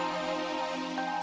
aku sudah lebih